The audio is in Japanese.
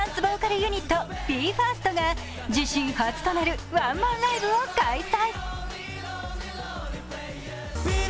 ユニットＢＥ：ＦＩＲＳＴが自身初となるワンマンライブを開催。